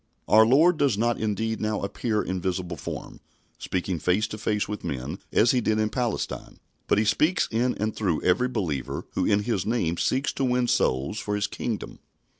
Our Lord does not indeed now appear in visible form, speaking face to face with men as He did in Palestine, but He speaks in and through every believer who in His name seeks to win souls for His Kingdom.